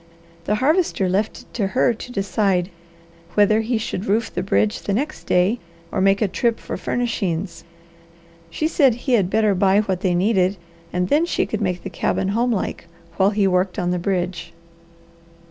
The Harvester left it to her to decide whether he should roof the bridge the next day or make a trip for furnishings. She said he had better buy what they needed and then she could make the cabin homelike while he worked on the bridge.